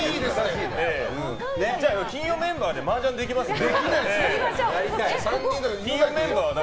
金曜メンバーでマージャンできますかね。